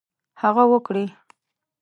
هغه وکړي.